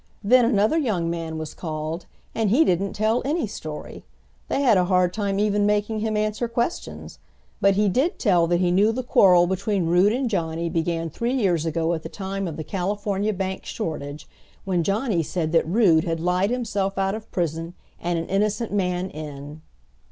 Then another young man was called, and he didn't tell any story. They had a hard time even making him answer questions. But he did tell that he knew the quarrel between Rood and Johnny began three years ago at the time of the California Bank shortage, when Johnny said that Rood had lied himself out of prison and an innocent man in.